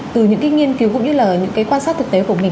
từ những cái nghiên cứu cũng như là những cái quan sát thực tế của mình